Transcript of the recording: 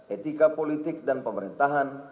etika politik dan pemerintahan